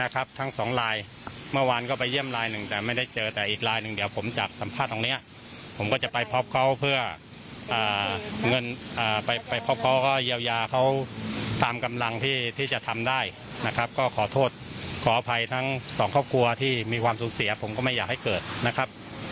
กลัวที่มีความสูงเสียผมก็ไม่อยากให้เกิดนะครับ